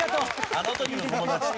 「あの時の友達」って。